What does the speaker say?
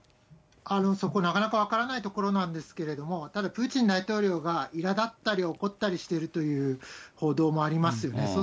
そこ、なかなか分からないところなんですけど、ただ、プーチン大統領がいらだったり、怒ったりしているという報道もありますよね。